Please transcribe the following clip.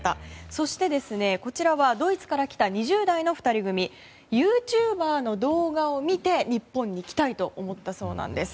そして、ドイツから来た２０代の２人組はユーチューバーの動画を見て日本に来たいと思ったそうなんです。